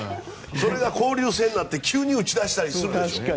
それが交流戦になって急に打ち出したりするでしょ。